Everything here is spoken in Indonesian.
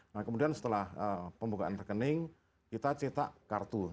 nah kemudian setelah pembukaan rekening kita cetak kartu